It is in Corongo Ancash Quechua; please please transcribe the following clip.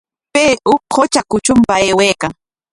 Pay huk qutra kutrunpa aywaykan.